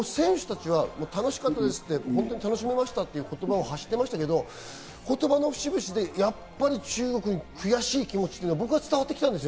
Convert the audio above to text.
選手たちは楽しかったですって楽しめましたっていう言葉を発してましたけど、言葉の節々でやっぱり中国に悔しい気持ちというのが僕は伝わってきました。